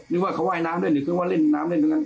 เห็นว่าเขาว้ายน้ำหรือว่าเล่นน้ำเล่นตัวนั้น